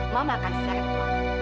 mama akan seret mama